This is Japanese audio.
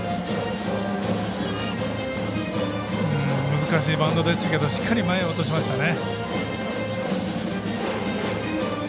難しいバウンドでしたけどしっかり前へ落としましたね。